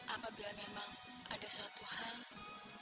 apabila memang ada suatu hal